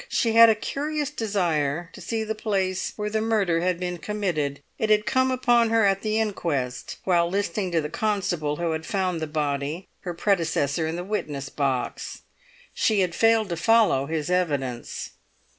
She had a curious desire to see the place where the murder had been committed. It had come upon her at the inquest, while listening to the constable who had found the body, her predecessor in the witness box. She had failed to follow his evidence.